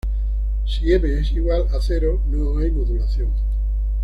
Si m es igual a cero, no hay modulación.